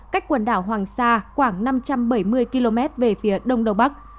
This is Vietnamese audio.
cách quần đảo hoàng sa khoảng năm trăm bảy mươi km về phía đông đông bắc